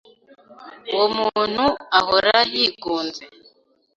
uwo muntu ahora yigunze